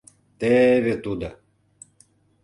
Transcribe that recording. — Те-эве тудо!